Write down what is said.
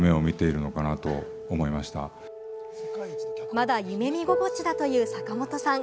まだ夢見心地だという、坂元さん。